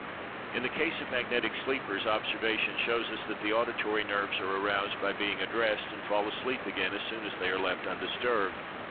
In the case of magnetic sleepers, observation shows us, that the auditory nerves are aroused by being addressed, and fall asleep again as soon as they are left undisturbed.